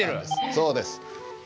そうです。